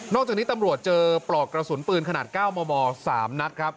จากนี้ตำรวจเจอปลอกกระสุนปืนขนาด๙มม๓นัดครับ